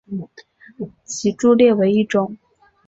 脊柱裂为一种。